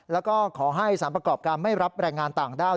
แล้วก็ขอให้สารประกอบการไม่รับแรงงานต่างด้าว